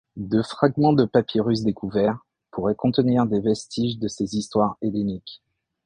Deux fragments de papyrus découverts pourraient contenir des vestiges de ses histoires helléniques.